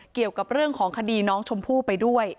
เกี่ยวกับเรื่องของคดีน้องชมพู่ไปด้วย